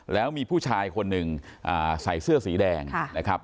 แล้วมีผู้ชายคนหนึ่งใส่เสื้อสีแดงนะครับ